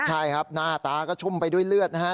ใช่ครับหน้าตาก็ชุ่มไปด้วยเลือดนะฮะ